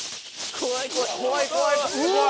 怖い怖い！